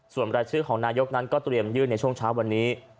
ส่วนรายชื่อของนายกนั้นก็เตรียมยื่นในช่วงเช้าวันนี้